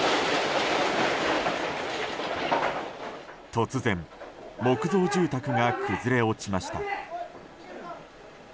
突然木造住宅が崩れ落ちました。